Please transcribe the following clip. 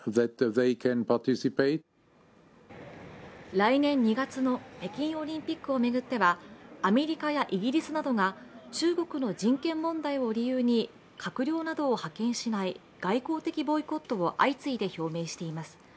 来年２月の北京オリンピックを巡ってはアメリカやイギリスなどが中国の人権問題を理由に閣僚などを派遣しない外交的ボイコットを相次いで表明しています。